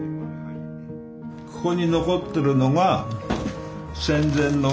ここに残ってるのが戦前の。